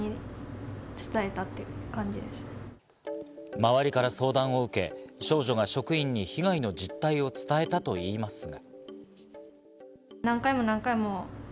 周りから相談を受け、少女が職員に被害の実態を伝えたといいますが。